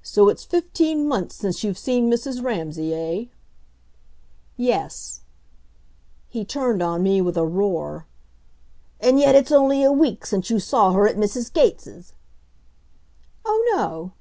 "So it's fifteen months since you've seen Mrs. Ramsay, eh?" "Yes." He turned on me with a roar. "And yet it's only a week since you saw her at Mrs. Gates'." "Oh, no."